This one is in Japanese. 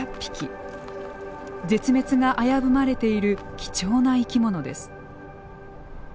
絶滅が危ぶまれている貴重な生き物です。